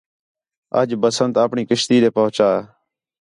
اَڄ بسنت اپݨی کشتی ݙے پہنچا